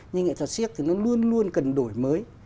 nhưng nghệ thuật siếc thì nó luôn luôn cần đổi mới